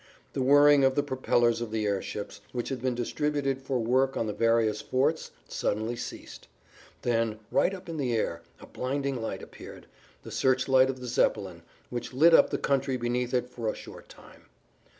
The whirring of the propellers of the airships which had been distributed for work on the various forts suddenly ceased. Then, right up in the air, a blinding light appeared, the searchlight of the Zeppelin, which lit up the country beneath it for a short time.